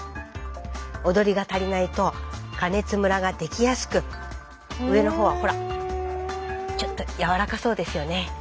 おどりが足りないと加熱ムラができやすく上のほうはほらちょっとやわらかそうですよね。